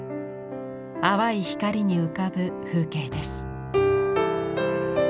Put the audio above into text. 淡い光に浮かぶ風景です。